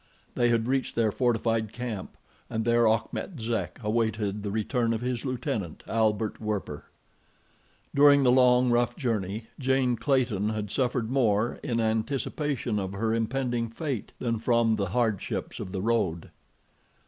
They had reached their fortified camp, and there Achmet Zek awaited the return of his lieutenant, Albert Werper. During the long, rough journey, Jane Clayton had suffered more in anticipation of her impending fate than from the hardships of the road.